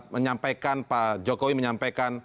menyampaikan pak jokowi menyampaikan